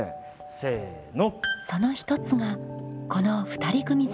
せの。